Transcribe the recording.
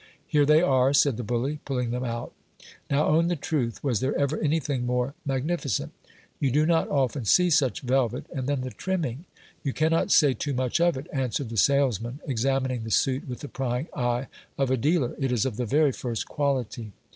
Here they are, said the bully, pulling them out : now own the truth, was there ever anything more magnifi c ;nt ? You do not often see such velvet : and then the trimming ! You cannot say too much of it, answered the salesman, examining the suit with the prying eye of a dealer, it is of the very first quality.